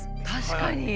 確かに！